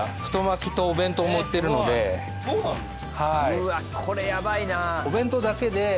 うわっこれやばいな！